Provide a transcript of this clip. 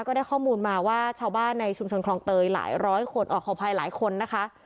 ก็ได้ข้อมูลมาว่าชาวบ้านในชุมชนคลองเตยหลายร้อยคนขออภัยหลายคนนะคะ